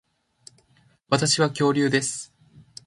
私は恐竜です